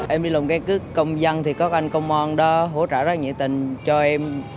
em đi làm căn cước công dân thì có anh công an đó hỗ trợ rất nhiệt tình cho em